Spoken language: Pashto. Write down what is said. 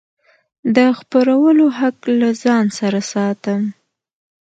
د خپرولو حق له ځان سره ساتم.